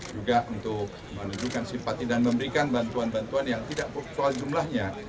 juga untuk menunjukkan simpati dan memberikan bantuan bantuan yang tidak soal jumlahnya